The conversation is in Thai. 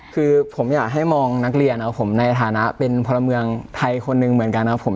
คือผมอยากให้มองนักเรียนนะครับผมในฐานะเป็นพลเมืองไทยคนหนึ่งเหมือนกันนะครับผม